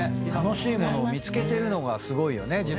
楽しいものを見つけてるのがすごいよね。